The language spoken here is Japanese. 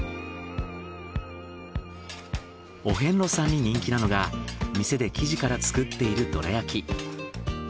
お遍路さんに人気なのが店で生地から作っているどら焼き。